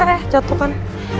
eh jatuh kan